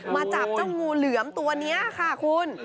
มาจับเจ้างูเหลือมตัวนี้ค่ะคุณ